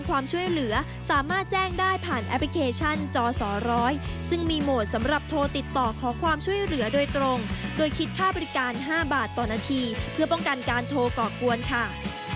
ใกล้จะถึงแล้วค่ะ